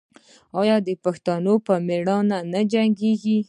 آیا پښتون په میړانه نه جنګیږي؟